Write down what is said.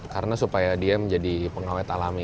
karena supaya dia menjadi pengawet alami